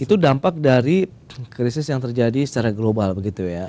itu dampak dari krisis yang terjadi secara global begitu ya